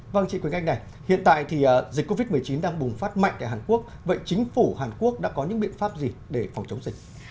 vâng chị quỳnh anh này hiện tại thì dịch covid một mươi chín đang bùng phát mạnh tại hàn quốc vậy chính phủ hàn quốc đã có những biện pháp gì để phòng chống dịch